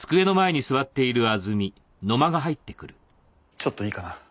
ちょっといいかな。